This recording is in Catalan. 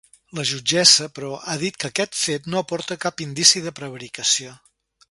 La jutgessa, però, ha dit que aquest fet no aporta cap indici de prevaricació.